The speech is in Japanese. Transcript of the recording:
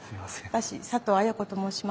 私佐藤綾子と申します。